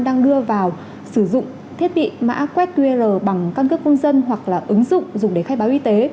đang đưa vào sử dụng thiết bị mã quét qr bằng căn cước công dân hoặc là ứng dụng dùng để khai báo y tế